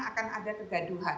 akan ada kegaduhan